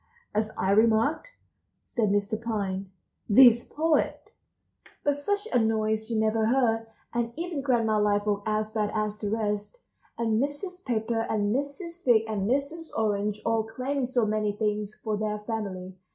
"As I remarked," said Mr. Pine, "this poet"— But such a noise you never heard, and even Grandma Liveoak as bad as the rest, and Mrs. Pepper and Mrs. Fig and Mrs. Orange, all claiming so many things for their family.